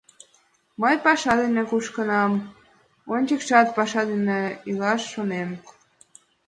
Мый паша дене кушкынам, ончыкшат паша денак илаш шонем.